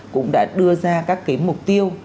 cũng đã đưa ra các cái mục tiêu